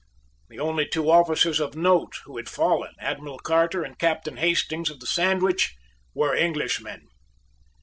The only two officers of note who had fallen, Admiral Carter and Captain Hastings of the Sandwich, were Englishmen.